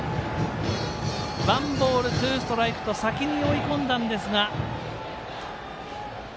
ワンボール、ツーストライクと先に追い込んだんですが。